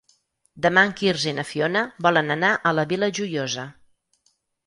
Demà en Quirze i na Fiona volen anar a la Vila Joiosa.